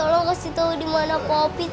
tapi tolong kasih tau dimana popi tante